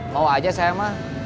mau aja sayang